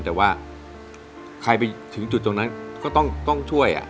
แต่ว่าใครไปถึงจุดตรงนั้นก็ต้องช่วย